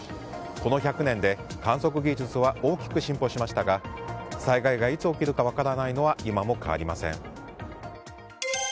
この１００年で観測技術は大きく進歩しましたが災害がいつ起きるか分からないのは今も変わりません。